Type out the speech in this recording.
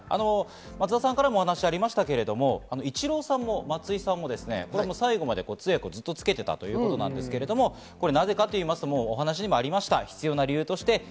松田さんからも話がありましたが、イチローさんも松井さんも最後まで通訳をずっとつけていたということですけれども、なぜかというと、話にもありました。